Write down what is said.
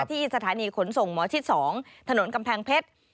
ที่สถานีขนส่งหมอชิด๒ถนนกำแพงเพชร